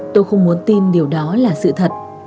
tôi không muốn tin điều đó là sự thật